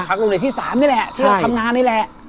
โรงเรียนที่๓นี่แหละที่เราทำงานนี่แหละ